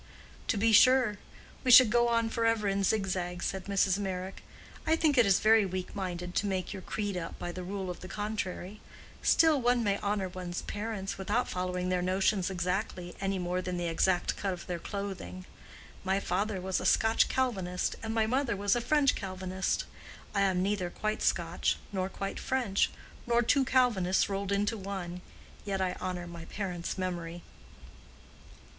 "To be sure. We should go on forever in zig zags," said Mrs. Meyrick. "I think it is very weak minded to make your creed up by the rule of the contrary. Still one may honor one's parents, without following their notions exactly, any more than the exact cut of their clothing. My father was a Scotch Calvinist and my mother was a French Calvinist; I am neither quite Scotch, nor quite French, nor two Calvinists rolled into one, yet I honor my parents' memory."